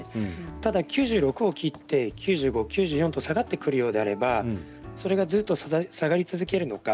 ただ９６を切って９５、９４と下がってくるようであれば下がり続けるのか